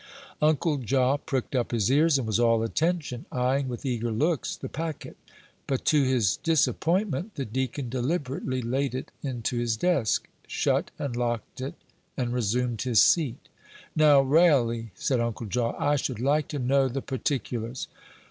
Uncle Jaw pricked up his ears and was all attention, eying with eager looks the packet; but, to his disappointment, the deacon deliberately laid it into his desk, shut and locked it, and resumed his seat. "Now, railly," said Uncle Jaw, "I should like to know the particulars."